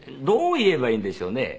どう言えばいいんでしょうね。